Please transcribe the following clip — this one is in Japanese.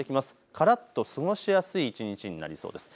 からっと過ごしやすい一日になりそうです。